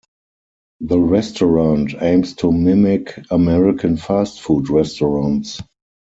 The restaurant aims to mimic American fast food restaurants.